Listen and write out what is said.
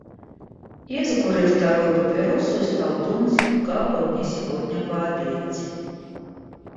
Я закурил вторую папиросу и стал думать, как бы мне сегодня пообедать.